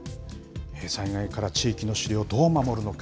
災害から地域の資料をどう守るのか。